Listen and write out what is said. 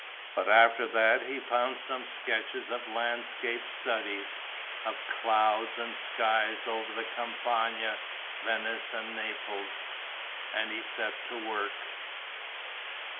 But after that he found some sketches of landscape studies, of clouds and skies over the Campagna, Venice and Naples.... And he set to work.